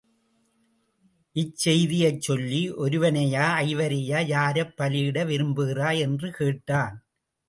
இச்செய்தியைச் சொல்லி ஒருவனையா ஐவரையா யாரைப் பலியிட விரும்புகிறாய்? என்று கேட்டான்.